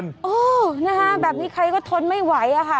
เออนะคะแบบนี้ใครก็ทนไม่ไหวอะค่ะ